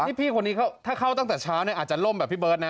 นี่พี่คนนี้ถ้าเข้าตั้งแต่เช้าเนี่ยอาจจะล่มแบบพี่เบิร์ตนะ